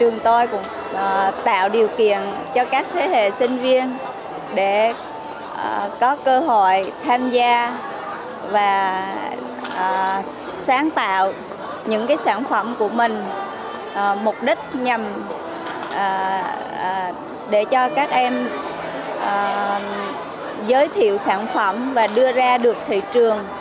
mục đích nhằm để cho các em giới thiệu sản phẩm và đưa ra được thị trường